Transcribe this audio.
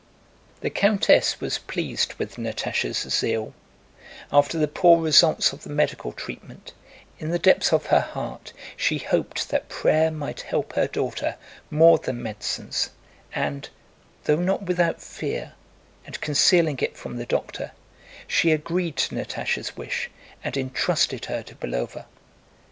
The countess was pleased with Natásha's zeal; after the poor results of the medical treatment, in the depths of her heart she hoped that prayer might help her daughter more than medicines and, though not without fear and concealing it from the doctor, she agreed to Natásha's wish and entrusted her to Belóva.